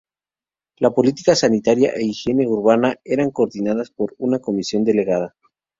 La política sanitaria e higiene urbana eran coordinadas por una Comisión delegada.